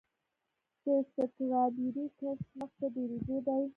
د سټرابیري کښت مخ په ډیریدو دی.